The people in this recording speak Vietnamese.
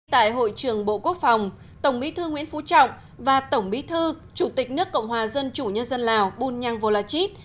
tại hội trường bộ quốc phòng tổng bí thư nguyễn phú trọng và tổng bí thư chủ tịch nước cộng hòa dân chủ nhân dân lào bunyang volachit